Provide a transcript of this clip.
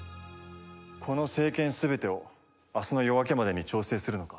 この聖剣全てを明日の夜明けまでに調整するのか。